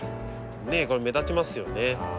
ねえこれ目立ちますよね。